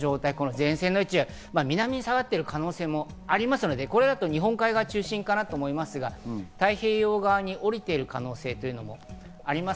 前線の位置が南に下がっている可能性もありますので、これだと日本海側中心かと思いますが、太平洋側に降りている可能性があります。